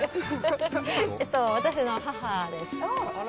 私の母です。